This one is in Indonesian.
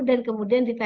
dan kemudian ditempel